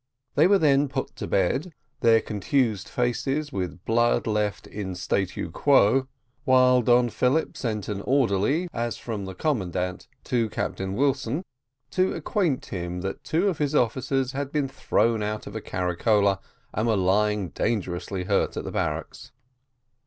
They were then put to bed, their contused faces with the blood, left in statu quo, while Don Philip sent an orderly, as from the commandant, to Captain Wilson, to acquaint him that two of his officers had been thrown out of a caricola, and were lying dangerously hurt at the barracks.